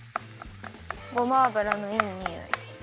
ごま油のいいにおい。